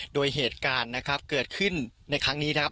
โดยเหตุการณ์นะครับเกิดขึ้นในครั้งนี้ครับ